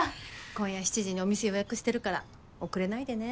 今夜７時にお店予約してるから遅れないでね。